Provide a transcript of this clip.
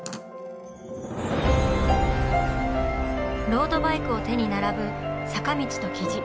ロードバイクを手に並ぶ坂道と雉。